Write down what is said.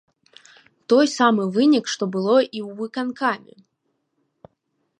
Той самы вынік, што было і ў выканкаме.